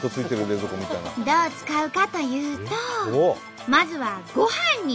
どう使うかというとまずはごはんに！